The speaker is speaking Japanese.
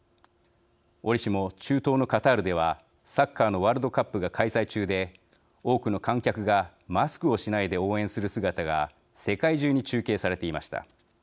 折しも中東のカタールではサッカーのワールドカップが開催中で、多くの観客がマスクをしないで応援する姿が世界中に中継されていました。